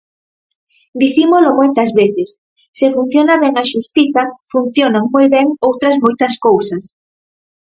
Dicímolo moitas veces: se funciona ben a xustiza, funcionan moi ben outras moitas cousas.